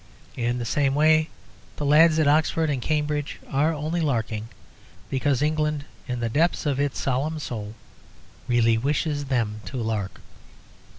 In the same way, the lads at Oxford and Cambridge are only larking because England, in the depths of its solemn soul, really wishes them to lark.